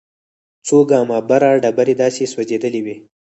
څو ګامه بره ډبرې داسې سوځېدلې وې.